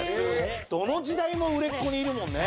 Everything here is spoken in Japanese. どの時代も売れっ子でいるもんね。